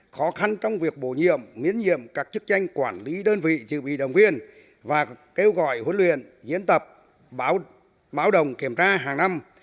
khó khăn trong việc bổ nhiệm miễn nhiệm các chức tranh quản lý đơn vị dự bị động viên và kêu gọi huấn luyện diễn tập báo đồng kiểm tra hàng năm